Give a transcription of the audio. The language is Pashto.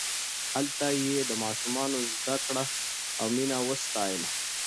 هلته یې د ماشومانو زدکړه او مینه وستایله.